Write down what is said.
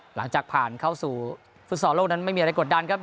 หลังจากผ่านเข้าสู่ฟุตซอลโลกนั้นไม่มีอะไรกดดันครับ